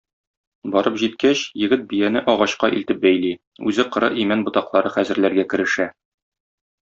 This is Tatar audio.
Барып җиткәч, егет бияне агачка илтеп бәйли, үзе коры имән ботаклары хәзерләргә керешә.